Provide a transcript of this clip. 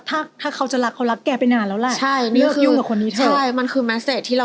ถ้าเขาจะรักเขารับแก่ไปนานแล้วล่ะ